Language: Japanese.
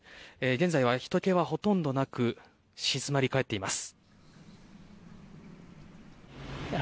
現在は、ひとけほとんどなく静まり返っています。